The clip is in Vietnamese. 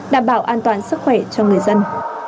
đảm bảo an toàn sức khỏe cho người dân